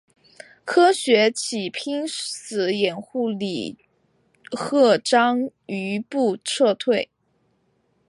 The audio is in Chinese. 程学启拼死掩护李鹤章余部撤退。